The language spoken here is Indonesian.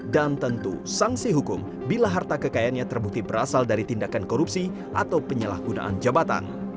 dan tentu sanksi hukum bila harta kekayaannya terbukti berasal dari tindakan korupsi atau penyalahgunaan jabatan